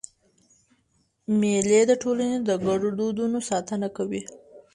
مېلې د ټولني د ګډو دودونو ساتنه کوي.